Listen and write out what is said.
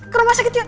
ke rumah sakit yuk